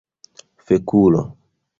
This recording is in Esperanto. fekulo